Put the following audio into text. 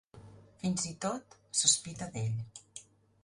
Fins i tot, sospita d’ell.